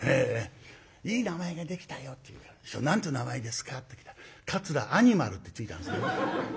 「いい名前ができたよ」って言うから「師匠何ていう名前ですか？」って聞いたら桂アニマルって付いたんですよ。